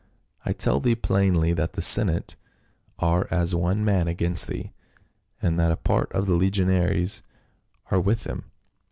I tell thee plainly that the senate are as one man against thee, and that a part of the legionaries are with them.